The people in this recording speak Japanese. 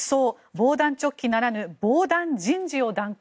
防弾チョッキならぬ防弾人事を断行。